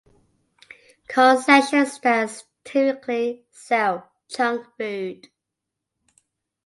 Concession stands typically sell junk food.